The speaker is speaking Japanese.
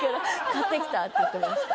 「買ってきた」って言ってました